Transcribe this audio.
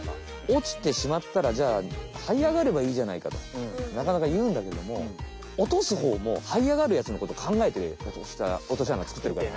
おちてしまったらじゃあはいあがればいいじゃないかとなかなかいうんだけどもおとすほうもはいあがるやつのことかんがえておとしあなつくってるから！